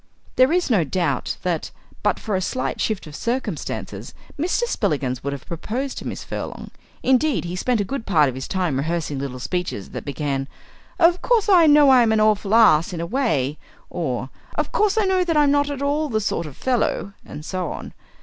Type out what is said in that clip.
There is no doubt that, but for a slight shift of circumstances, Mr. Spillikins would have proposed to Miss Furlong. Indeed, he spent a good part of his time rehearsing little speeches that began, "Of course I know I'm an awful ass in a way," or, "Of course I know that I'm not at all the sort of fellow," and so on.